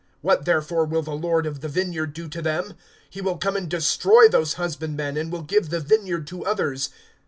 What therefore will the lord of the vineyard do to them? (16)He will come and destroy these husbandmen, and will give the vineyard to others.